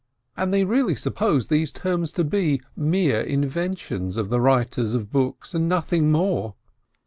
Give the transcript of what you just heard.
And they really supposed these terms to be mere in ventions of the writers of books and nothing more!